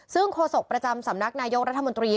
ซึ่งโฆษกประจำสำนักนายกรัฐมนตรี